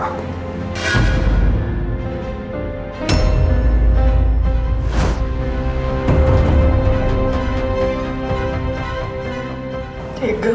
aku akan mencari kamu